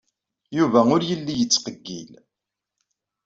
Yuba ur yelli yettqeyyil.